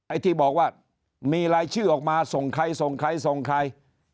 ไอ้ที่บอกว่ามีรายชื่อออกมาส่งใครส่งใครส่งใคร